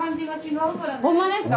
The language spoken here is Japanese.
ほんまですか？